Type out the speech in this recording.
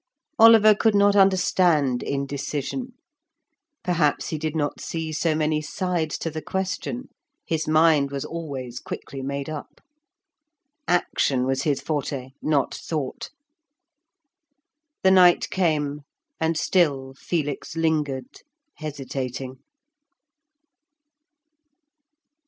Oliver could not understand indecision; perhaps he did not see so many sides to the question, his mind was always quickly made up. Action was his forte, not thought. The night came, and still Felix lingered, hesitating.